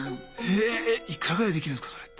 えいくらぐらいでできるんですかそれって。